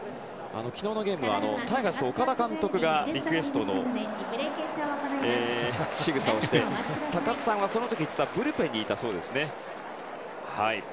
昨日のゲームはタイガース岡田監督がリクエストのしぐさをして高津さんは、その時ブルペンにいたそうですね。